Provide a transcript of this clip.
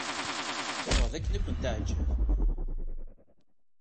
Tḥeqqeqeɣ d akken ad kent-teɛǧeb.